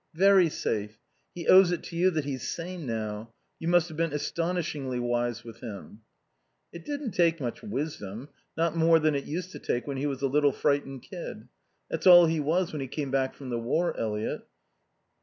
"Very safe. He owes it to you that he's sane now. You must have been astonishingly wise with him." "It didn't take much wisdom. Not more than it used to take when he was a little frightened kid. That's all he was when he came back from the war, Eliot."